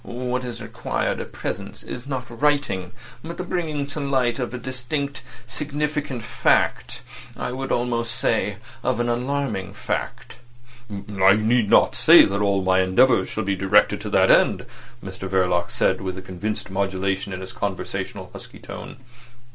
What is required at present is not writing, but the bringing to light of a distinct, significant fact—I would almost say of an alarming fact." "I need not say that all my endeavours shall be directed to that end," Mr Verloc said, with convinced modulations in his conversational husky tone.